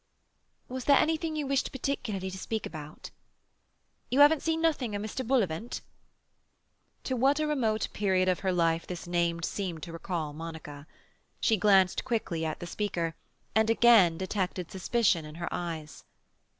"Was there anything you wished particularly to speak about?" "You haven't seen nothing of Mr. Bullivant?" To what a remote period of her life this name seemed to recall Monica! She glanced quickly at the speaker, and again detected suspicion in her eyes.